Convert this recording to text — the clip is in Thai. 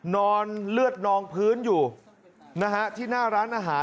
นอนเลือดนองพื้นอยู่นะฮะที่หน้าร้านอาหาร